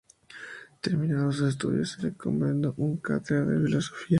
Terminados sus estudios se le encomendó una cátedra de Filosofía.